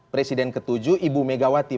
presiden ke tujuh ibu megawati